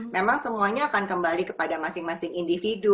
memang semuanya akan kembali kepada masing masing individu